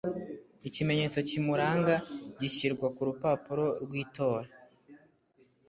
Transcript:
ikimenyetso kimuranga gishyirwa ku rupapuro rw’itora